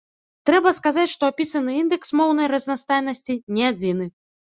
Трэба сказаць, што апісаны індэкс моўнай разнастайнасці не адзіны.